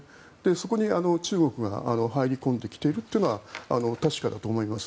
そこに中国が入り込んできているというのは確かだと思います。